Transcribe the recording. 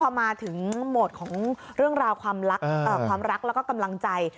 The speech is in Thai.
พอมาถึงโหมดของเรื่องราวความรักความรักแล้วก็กำลังใจ